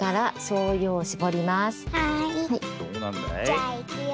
じゃあいくよ。